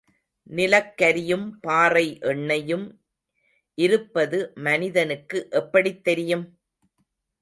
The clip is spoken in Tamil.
நிலக்கரியும் பாறை எண்ணெயும் இருப்பது மனிதனுக்கு எப்படித் தெரியும்?